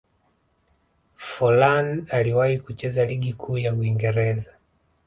forlan aliwahi kucheza ligi kuu ya uingereza